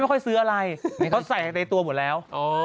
ไม่ค่อยซื้ออะไรเขาใส่ในตัวหมดแล้วอ๋อ